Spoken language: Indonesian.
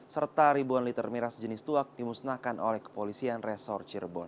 serta ribuan liter miras jenis tuak dimusnahkan oleh kepolisian resor cirebon